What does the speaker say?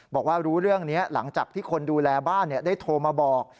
บอกว่ารู้เรื่องนี้หลังจากที่คนดูแลบ้านได้โทรมาบอก